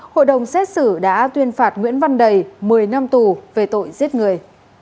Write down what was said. hội đồng xét xử đã tuyên phạt nguyễn văn đầy một mươi năm tù về tội giết người